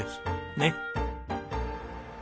ねっ！